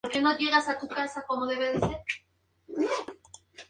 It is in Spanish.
Llega a la fiesta del Día del San Valentin.